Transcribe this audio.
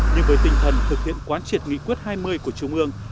nhưng với tinh thần thực hiện quán triệt nghị quyết hai mươi của trung ương